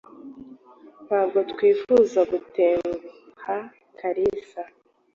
Ntabwo twifuza gutenguha Kalisa.